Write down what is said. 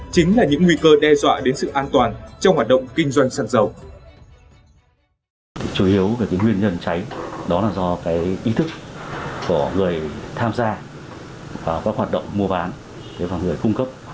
chính là những nguy cơ đe dọa đến sự an toàn trong hoạt động kinh doanh xăng dầu